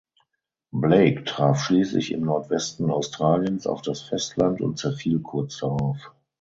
Blake traf schließlich im Nordwesten Australiens auf das Festland und zerfiel kurz darauf.